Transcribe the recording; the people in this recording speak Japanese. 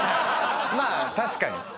まあ確かに。